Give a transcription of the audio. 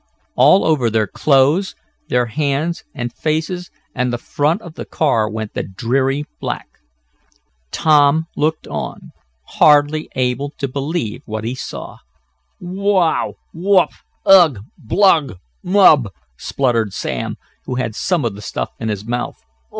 All over their clothes, their hands and faces, and the front of the car went the dreary black. Tom looked on, hardly able to believe what he saw. "Wow! Wup! Ug! Blug! Mug!" spluttered Sam, who had some of the stuff in his mouth.